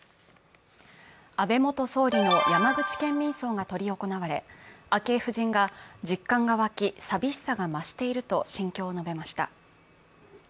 安倍元総理の山口県民葬が執り行われ、昭恵夫人が実感がわき、寂しさが増していると心境を述べました。